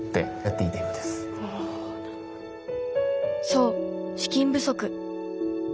そう資金不足。